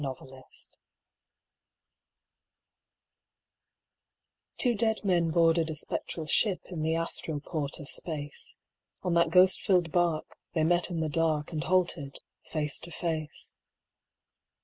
TWO GHOSTS Two dead men boarded a spectral ship In the astral Port of Space; On that ghost filled barque, they met in the dark, And halted, face to face.